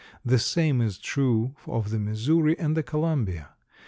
The same is true of the Missouri and the Columbia.